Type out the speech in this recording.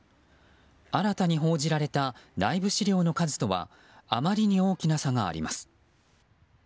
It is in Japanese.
新たに報じられた内部資料の数とはあまりに大きな差があります。